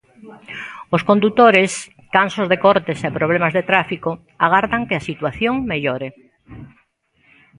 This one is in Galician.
Os condutores, cansos de cortes e problemas de tráfico, agardan que a situación mellore.